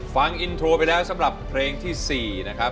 ฟังอินโทรไปแล้วสำหรับเพลงที่๔นะครับ